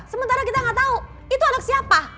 sementara kita nggak tahu itu anak siapa